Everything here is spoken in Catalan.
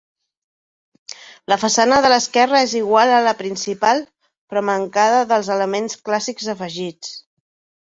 La façana de l'esquerra és igual a la principal però mancada dels elements clàssics afegits.